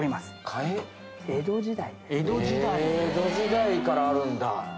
へぇ江戸時代からあるんだ。